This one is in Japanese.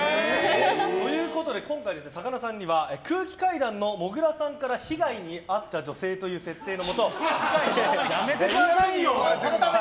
ということで今回さかなさんには空気階段のもぐらさんから被害に遭った女性というやめてくださいよ！